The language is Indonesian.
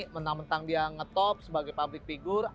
mentang mentang dia ngetop sebagai public figure